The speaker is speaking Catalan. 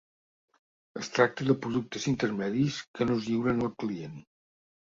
Es tracta de productes intermedis que no es lliuren al client.